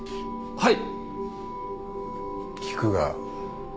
はい。